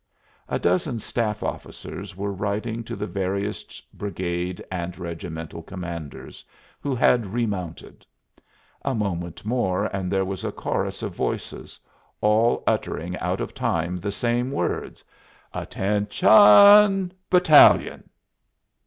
A dozen staff officers were riding to the various brigade and regimental commanders, who had remounted. A moment more and there was a chorus of voices, all uttering out of time the same words "Attention, battalion!"